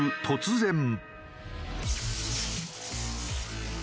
突然。